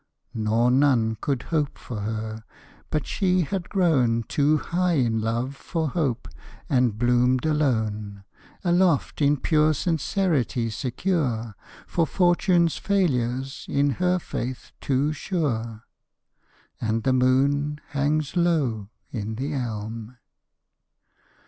_ Nor none could hope for her. But she had grown Too high in love for hope, and bloomed alone, Aloft in pure sincerity secure; For fortune's failures, in her faith too sure. _And the moon hangs low in the elm.